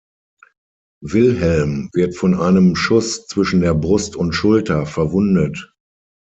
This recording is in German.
Wilhelm wird von einem Schuss „zwischen der Brust und Schulter“ verwundet.